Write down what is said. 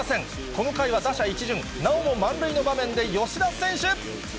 この回は打者一巡、なおも満塁の場面で吉田選手。